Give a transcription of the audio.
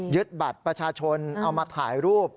บัตรประชาชนเอามาถ่ายรูป